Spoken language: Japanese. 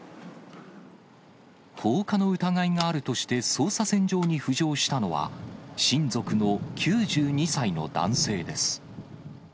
放火の疑いがあるとして捜査線上に浮上したのは、親族の９２歳の男性です。